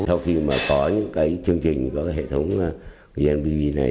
sau khi mà có những cái chương trình có cái hệ thống vnpt này